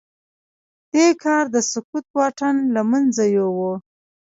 دې کار د سکوت واټن له منځه يووړ.